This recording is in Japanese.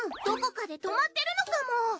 どこかで止まってるのかも！